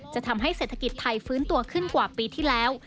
จะทำให้เศรษฐกิจไทยฟื้นตัวขึ้นกว่าปีที่แล้ว